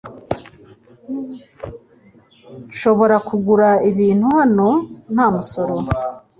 Nshobora kugura ibintu hano nta musoro?